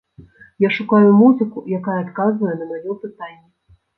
Я шукаю музыку, якая адказвае на маё пытанне.